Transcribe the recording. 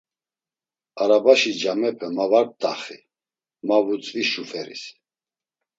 Arabaşi camepe ma var p̌t̆axi, ma, vutzvi şuferis.